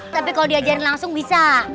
tapi kalau diajarin langsung bisa